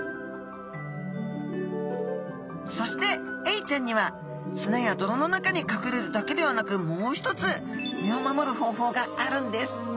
そしてエイちゃんには砂や泥の中に隠れるだけではなくもう一つ身を守る方法があるんです